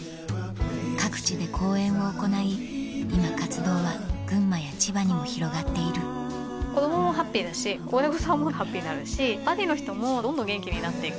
各地で講演を行い今活動は群馬や千葉にも広がっている子供もハッピーだし親御さんもハッピーになるしバディの人もどんどん元気になっていく。